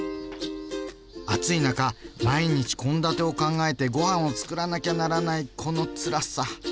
暑い中毎日献立を考えてごはんをつくらなきゃならないこのつらさ。